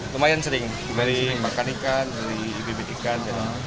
lumayan sering beli makan ikan beli bibit ikan